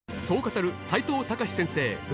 そう語る齋藤孝先生